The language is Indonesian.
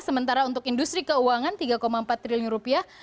sementara untuk industri keuangan tiga empat triliun rupiah